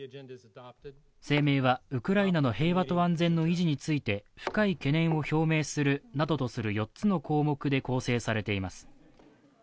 声明は、ウクライナの平和と安全の維持について深い懸念を表明するなどとする４つの項目で構成されています。